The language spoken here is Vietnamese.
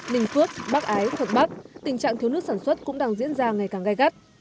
ninh phước bắc ái thuận bắc tình trạng thiếu nước sản xuất cũng đang diễn ra ngày càng gai gắt